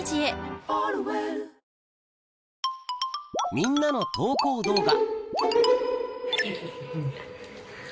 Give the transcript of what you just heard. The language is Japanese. みんなの投稿動画